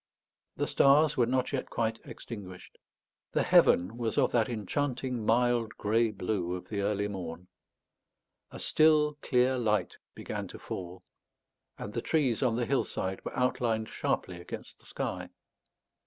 The stars were not yet quite extinguished. The heaven was of that enchanting mild grey blue of the early morn. A still clear light began to fall, and the trees on the hillside were outlined sharply against the sky.